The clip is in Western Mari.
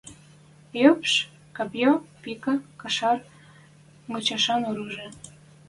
Йӹпш — копьё, пика, кашар мычашан оружи.